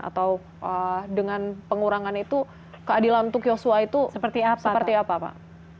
atau dengan pengurangan itu keadilan untuk yosua itu seperti apa pak